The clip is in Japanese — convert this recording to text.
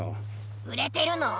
うれてるの？